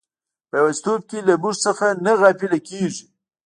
په یوازیتوب کې له موږ څخه نه غافله کیږي.